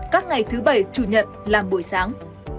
các ngày thứ bảy chủ nhận làm buổi sáng